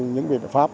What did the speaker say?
những biện pháp